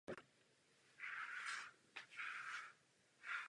Nutriční význam je zřejmě zanedbatelný.